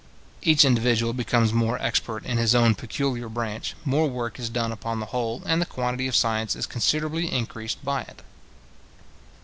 Each individual becomes more expert in his own peculiar branch, more work is done upon the whole, and the quantity of science is considerably increased by it.